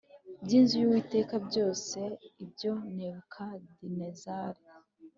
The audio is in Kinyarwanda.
by inzu y Uwiteka byose ibyo Nebukadinezari